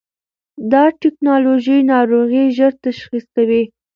دا ټېکنالوژي ناروغي ژر تشخیص کوي.